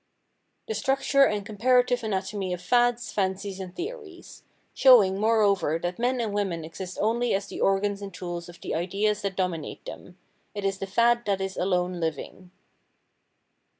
The Structure and Comparative Anatomy of Fads, Fancies and Theories; showing, moreover, that men and women exist only as the organs and tools of the ideas that dominate them; it is the fad that is alone living.